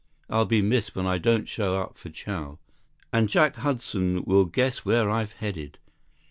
I'll be missed when I don't show up for chow. And Jack Hudson will guess where I've headed.